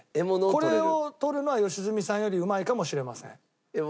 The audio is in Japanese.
これをとるのは良純さんよりうまいかもしれません。